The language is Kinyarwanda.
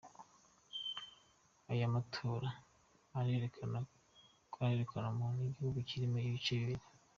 Aya matora arerekana ukuntu igihugu kirimo ibice bibiri.